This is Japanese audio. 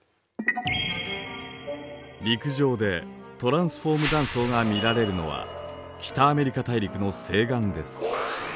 陸上でトランスフォーム断層が見られるのは北アメリカ大陸の西岸です。